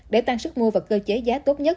để tăng sức mua và cơ chế giá tốt nhất